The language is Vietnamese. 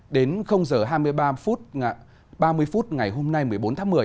đến h hai mươi ba phút ngày hôm nay một mươi bốn tháng một mươi